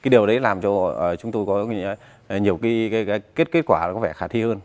điều đó làm cho chúng tôi có nhiều kết quả khá thi hơn